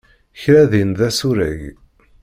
Kra din d asureg.